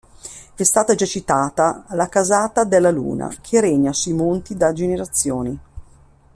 È stata già citata la casata Della Luna, che regna sui monti da generazioni.